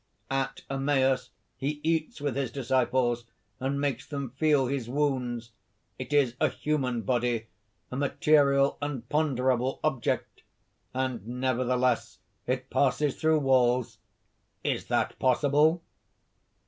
At Emmaus, he eats with his disciples and makes them feel his wounds. It is a human body, a material and ponderable object; and nevertheless it passes through walls! Is that possible?"